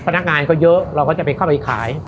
พนักงานก็เยอะเราก็จะไปเข้าไปขาย